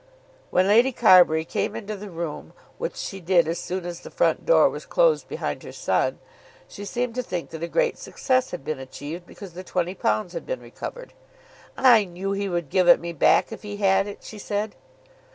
When Lady Carbury came into the room, which she did as soon as the front door was closed behind her son, she seemed to think that a great success had been achieved because the £20 had been recovered. "I knew he would give it me back, if he had it," she said.